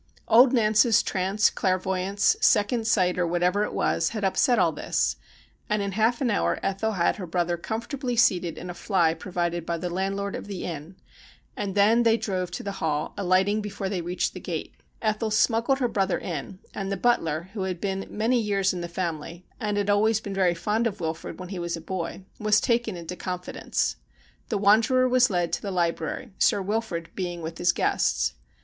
Old Nance's trance, clairvoyance, second sight, or what ever it was, had upset all this ; and in half an hour Ethel had her brother comfortably seated in a fly provided by the landlord of the inn, and then they drove to the Hall, alight ing before they reached the gate. Ethel smuggled her THE UNBIDDEN GUEST 117 brother in, and the butler, who had been many years in the family, and had always been very fond of Wilfrid when he was a boy, was taken into confidence. The wanderer was led to the library, Sir Wilfrid being with his guests.